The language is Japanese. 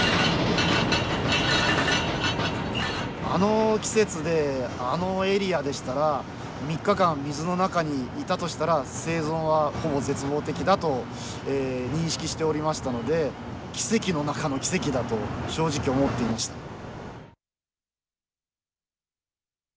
あの季節であのエリアでしたら３日間水の中にいたとしたら生存はほぼ絶望的だと認識しておりましたので奇跡の中の奇跡だと正直思っていました。